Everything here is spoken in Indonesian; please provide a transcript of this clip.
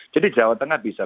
jadi jawa tengah bisa